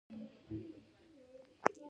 د پستې ځنګلونه ملي عاید زیاتوي.